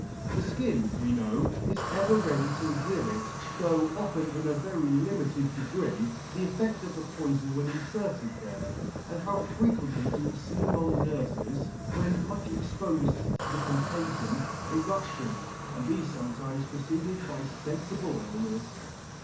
The fkin, we know, is ever [ H7 ] ever ready to exhibit, though often in a very limited degree, the effects of the poifon when infertcd there ; and how frequently do we fee among nurfes, when much expofed to the contagion, eruptions, and thefe fometimes preceded by fenfible illnefs